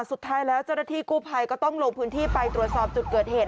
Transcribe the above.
สุดท้ายแล้วเจ้าหน้าที่กู้ภัยก็ต้องลงพื้นที่ไปตรวจสอบจุดเกิดเหตุ